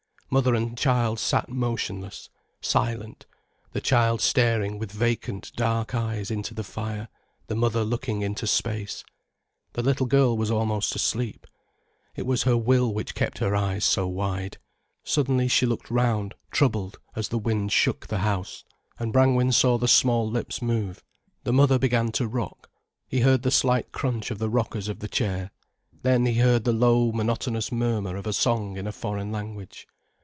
Mother and child sat motionless, silent, the child staring with vacant dark eyes into the fire, the mother looking into space. The little girl was almost asleep. It was her will which kept her eyes so wide. Suddenly she looked round, troubled, as the wind shook the house, and Brangwen saw the small lips move. The mother began to rock, he heard the slight crunch of the rockers of the chair. Then he heard the low, monotonous murmur of a song in a foreign language.